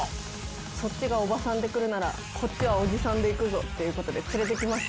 そっちがおばさんで来るなら、こっちはおじさんでいくぞっていうことで、連れてきました。